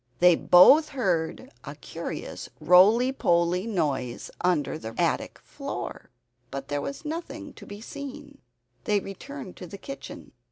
They both heard a curious roly poly noise under the attic floor. But there was nothing to be seen. They returned to the kitchen.